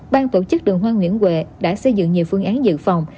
ban tổ chức đường hoa nguyễn huệ đã xây dựng nhiều phương án dự phòng